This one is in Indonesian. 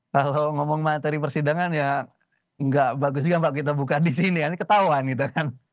kalau ngomong materi persidangan ya gak bagus juga kita buka disini ini ketahuan gitu kan